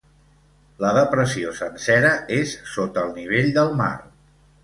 La depressió sencera és sota el nivell del mar.